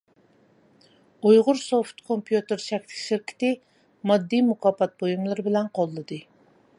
ئۇيغۇرسوفت كومپيۇتېر چەكلىك شىركىتى ماددىي مۇكاپات بۇيۇملىرى بىلەن قوللىدى.